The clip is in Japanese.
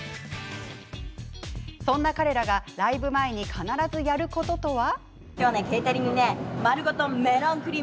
そんな彼らがライブ前に必ずやることとは。